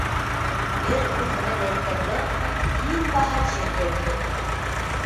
Бер һүҙ менән әйткәндә, иң баһадир йәнлек.